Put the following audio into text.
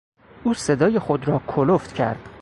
او صدای خود را کلفت کرد.